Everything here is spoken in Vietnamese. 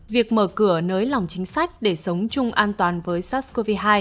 việc mở cửa nới lỏng chính sách để sống chung an toàn với sars cov hai